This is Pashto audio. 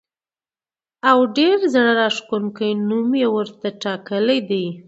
او ډېر زړه راښکونکی نوم یې ورته ټاکلی دی.